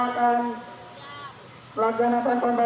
waktunya kita tidak akan pernah diam